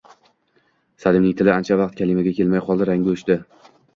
Salimning tili ancha vaqt kalimaga kelmay qoldi, rangi oʻchdi.